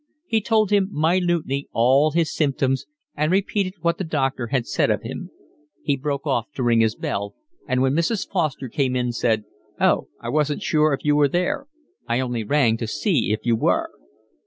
He told him minutely all his symptoms and repeated what the doctor had said of him. He broke off to ring his bell, and when Mrs. Foster came in, said: "Oh, I wasn't sure if you were there. I only rang to see if you were."